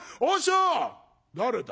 「誰だ？